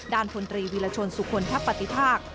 ด้านทนตรีวิลชนสุขลทับปฏิภาค